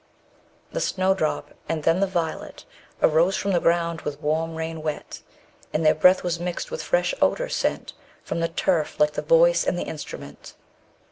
The snowdrop, and then the violet, Arose from the ground with warm rain wet, And their breath was mixed with fresh odour, sent _15 From the turf, like the voice and the instrument.